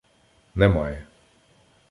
— Немає.